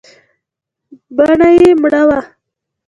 بڼه يې مړه وه .